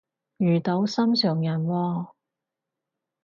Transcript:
遇到心上人喎？